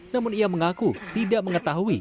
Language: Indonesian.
namun ia mengaku tidak mengetahui